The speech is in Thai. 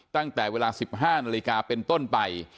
ตั้งแต่เวลา๑๕นาฬิกาเป็นต้นไป